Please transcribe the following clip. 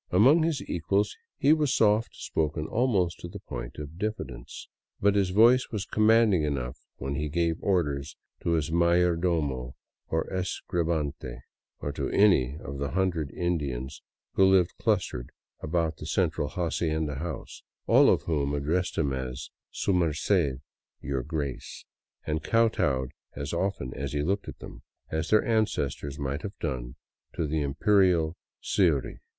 Among his equals, he was soft spoken almost to the point of diffidence. But his voice was commanding enough when he gave orders to his mayordomo or escribante, or to any of the hundred In dians who lived clustered about the central hacienda house, all of whom addressed him as " Su Merced " (Your Grace) and kowtowed as often as he looked at them, as their ancestors might have done to the imperial Scyri.